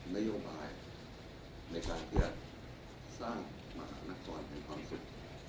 นโยบายในการเพื่อสร้างมหานครเป็นความสุข